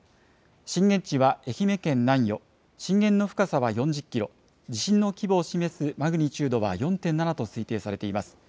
震源地は愛媛県南予、震源の深さは４０キロ、地震の規模を示すマグニチュードは４．７と推定されています。